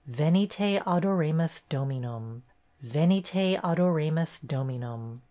Venite adoremus, Dominum. Venite adoremus, Dominum."